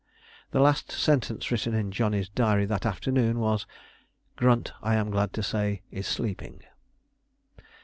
The last sentence written in Johnny's diary that afternoon was, "Grunt, I am glad to say, is sleeping."